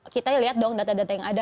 kita lihat dong data data yang ada